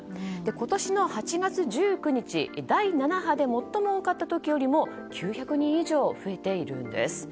今年の８月１９日、第７波で最も多かった時よりも９００人以上増えているんです。